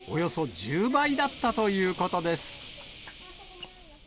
倍率はおよそ１０倍だったということです。